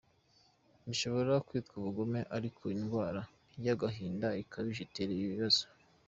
Bishobora kwitwa ubugome ariko ni indwara y’agahinda gakabije itera ibi bibazo.